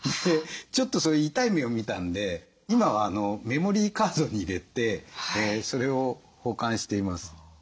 ちょっと痛い目を見たんで今はメモリーカードに入れてそれを保管しています。